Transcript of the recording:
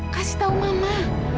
kasih tahu mama